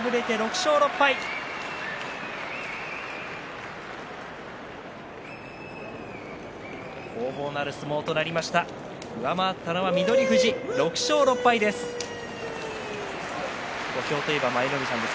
勝ったのは翠富士６勝６敗です。